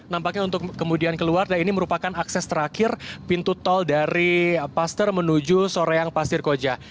nampaknya untuk kemudian keluar dan ini merupakan akses terakhir pintu tol dari paster menuju soreang pasir koja